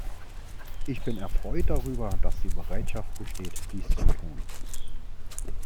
Ich bin erfreut darüber, dass die Bereitschaft besteht, dies zu tun.